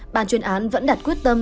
bàn chuyên án vẫn đặt quyết tâm